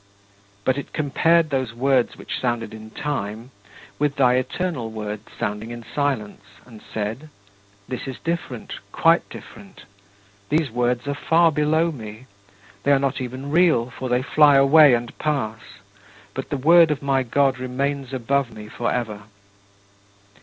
But it compared those words which sounded in time with thy eternal word sounding in silence and said: "This is different; quite different! These words are far below me; they are not even real, for they fly away and pass, but the Word of my God remains above me forever."